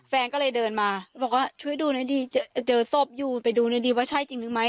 แฟนก็เลยเดินมาบอกว่าช่วยดูหน่อยดีเจอศพอยู่ไปดูหน่อยดีว่าใช่จริงหรือไม่